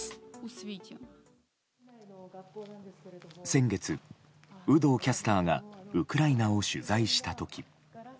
先月、有働キャスターがウクライナを取材した時。